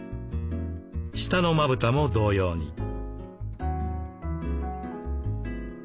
下のまぶたも同様に。